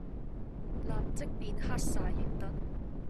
立即變黑晒亦得